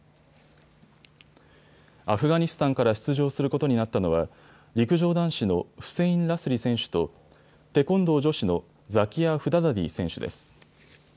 アフガニスタンから出場することになったのは陸上男子のフセイン・ラスリ選手とテコンドー女子のザキア・フダダディ選手です。